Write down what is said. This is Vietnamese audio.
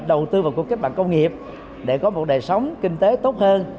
đầu tư vào cuộc kết mạng công nghiệp để có một đời sống kinh tế tốt hơn